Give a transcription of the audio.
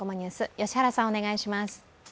良原さん、お願いします。